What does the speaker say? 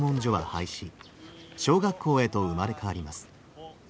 小学校へと生まれ変わります。